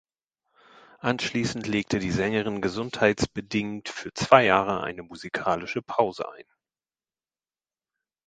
Anschließend legte die Sängerin gesundheitsbedingt für zwei Jahre eine musikalische Pause ein.